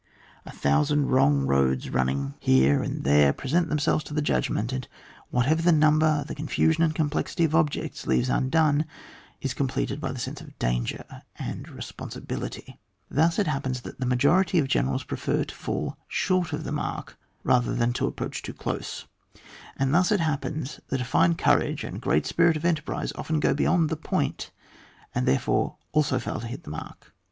A thousand wrong roads running #,* 1 CHA^, xjfp,'] ON TEE CULMINATING POINT OF VICTOR T. 41 hece Bid there, present tliemselTes to the ludgzaant ; and whatever the number, tho eoi^sioKi and complexity of objects leavea undone, is completed by the sense of danger and responsibility. I3lus it happens that the majority of generals prefer to fall short of the mark rather than to approach too close ; and thus it happens that a fine courage and g^eat spirit of enterprise often go beyond the point, and therefore also fkil to hit the mark.